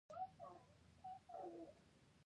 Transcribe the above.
هغه نه د شعر او نه د نثر په لیکلو کې پاتې دی.